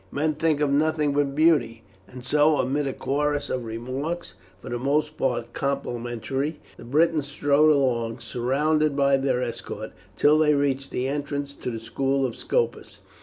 Men think of nothing but beauty." And so, amid a chorus of remarks, for the most part complimentary, the Britons strode along, surrounded by their escort, until they reached the entrance to the school of Scopus.